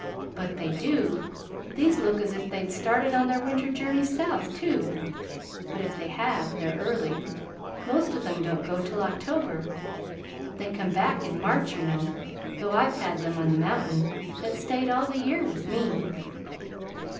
"But they do! These look as if they'd started on their winter journey South, too; but if they have, they're early. Most of them don't go till October. They come back in March, you know. Though I've had them, on the mountain, that stayed all the year with me."